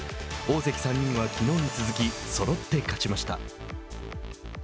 大関３人はきのうに続きそろって勝ちました。